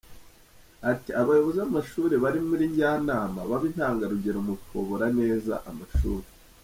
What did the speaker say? Ati “Abayobozi b’amashuri bari muri Njyanama babe intangarugero mu kuyobora neza amashuri.